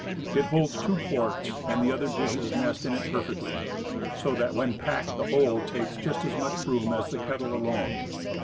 It holds two quarts, and the other dishes nest in it perfectly, so that when packed the whole take just as much room as the kettle alone.